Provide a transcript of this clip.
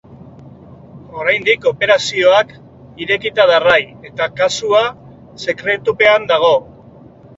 Oraindik operazioak irekita darrai eta kasua sekretupean dago.